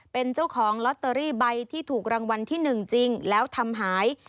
เป็นเจ้าของลอตเตอรี่ใบที่ถูกรางวัลที่๑จริงแล้วทำหาย